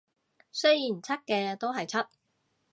雖然柒嘅都係柒